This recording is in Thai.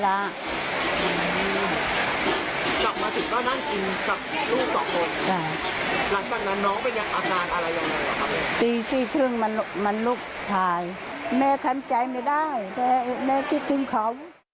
แม่ทำใจไม่ได้แม่คิดถึงเขา